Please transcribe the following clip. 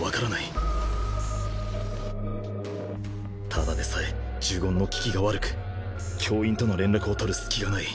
ただでさえ呪言の効きが悪く教員との連絡を取る隙がない。